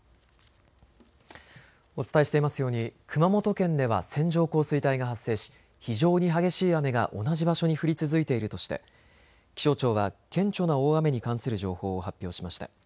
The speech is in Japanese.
お伝えしていますように熊本県では線状降水帯が発生し非常に激しい雨が同じ場所に降り続いているとして気象庁は顕著な大雨に関する情報を発表しました。